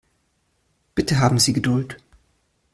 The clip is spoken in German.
Bitte haben Sie Geduld.